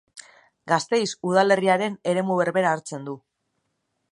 Gasteiz udalerriaren eremu berbera hartzen du.